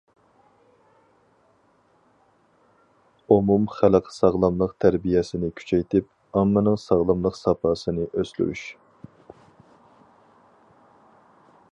ئومۇم خەلق ساغلاملىق تەربىيەسىنى كۈچەيتىپ، ئاممىنىڭ ساغلاملىق ساپاسىنى ئۆستۈرۈش.